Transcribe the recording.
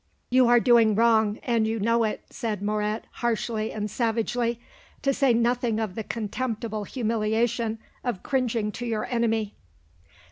"You are doing wrong, and you know it," said Moret harshly and savagely; "to say nothing of the contemptible humiliation of cringing to your enemy."